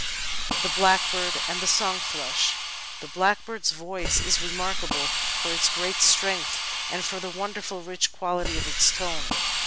The Blackbird and the Song Thrush The Blackbird's voice is remarkable for its great strength and for the wonderful rich quality of its tone.